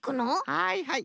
はいはい。